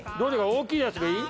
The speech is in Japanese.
大きいやつがいい？